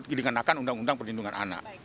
dikenakan undang undang perlindungan anak